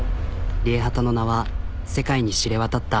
ＲＩＥＨＡＴＡの名は世界に知れ渡った。